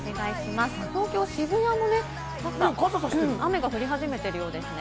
東京・渋谷も雨が降り始めているようですね。